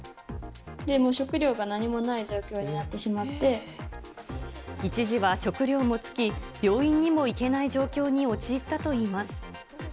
食料が何もない状況になって一時は食料も尽き、病院にも行けない状況に陥ったといいます。